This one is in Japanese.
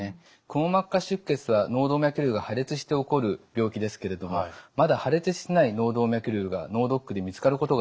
くも膜下出血は脳動脈瘤が破裂して起こる病気ですけれどもまだ破裂してない脳動脈瘤が脳ドックで見つかることがあります。